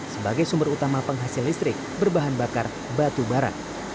sebagai sumber utama penghasil listrik berbahan bakar batubara